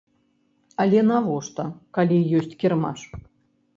Але навошта, калі ёсць кірмаш?